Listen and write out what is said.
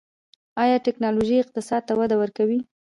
آیا ټیکنالوژي اقتصاد ته وده ورکوي؟